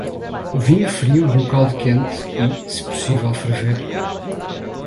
O vinho frio e o caldo quente e, se possível, ferver.